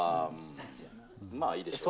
まあいいでしょう。